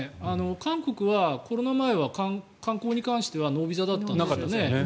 韓国はコロナ前は観光に関してはノービザだったんですよね。